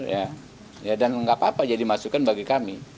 dan tidak apa apa jadi masukkan bagi kami